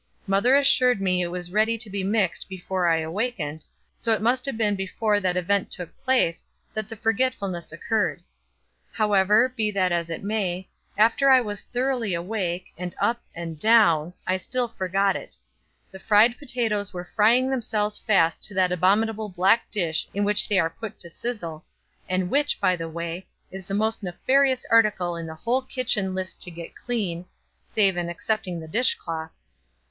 Mother assured me it was ready to be mixed before I awakened, so it must have been before that event took place that the forgetfulness occurred; however, be that as it may, after I was thoroughly awake, and up, and down, I still forgot it. The fried potatoes were frying themselves fast to that abominable black dish in which they are put to sizzle, and which, by the way, is the most nefarious article in the entire kitchen list to get clean (save and excepting the dish cloth).